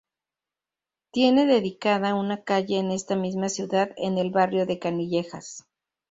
Tiene dedicada una calle en esta misma ciudad, en el barrio de Canillejas.